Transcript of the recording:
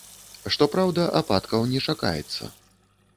Што праўда, ападкаў не чакаецца.